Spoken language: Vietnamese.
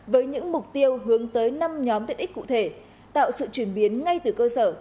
với những mục tiêu hướng tới năm nhóm tiện ích cụ thể tạo sự chuyển biến ngay từ cơ sở